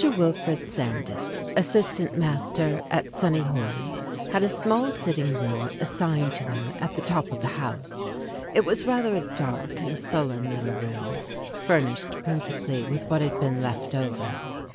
WILFRED SANDYS, assistant master at "Sunniholme," had a small sitting room as signed to him at the top of the house. It was rather a dark and sullen little room, furnished princi pally with what had been left over.